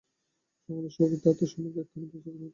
সমুদয় প্রকৃতিই আত্মার সম্মুখে একখানি পুস্তকের মত।